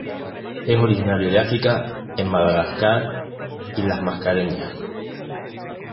Es originario de África, en Madagascar y las Mascareñas.